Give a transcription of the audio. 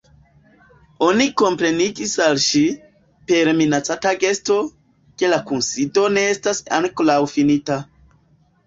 Oni komprenigis al ŝi, per minaca gesto, ke la kunsido ne estas ankoraŭ finita.